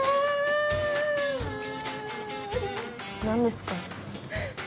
何ですか？